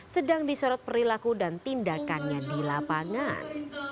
sedang disorot perilaku dan tindakannya di lapangan